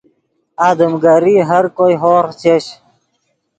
آدم گری ہر کوئے ہورغ چش